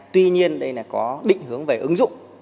tuy nhiên đây là có định hướng về ứng dụng